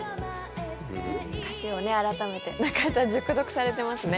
歌詞を改めて中居さん、熟読されてますね。